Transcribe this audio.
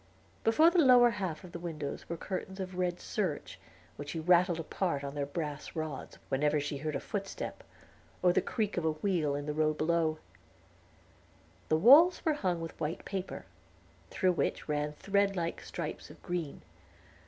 Before the lower half of the windows were curtains of red serge, which she rattled apart on their brass rods, whenever she heard a footstep, or the creak of a wheel in the road below. The walls were hung with white paper, through which ran thread like stripes of green.